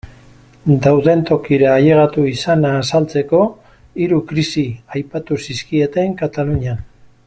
Dauden tokira ailegatu izana azaltzeko, hiru krisi aipatu zizkieten Katalunian.